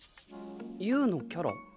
ユウのキャラ？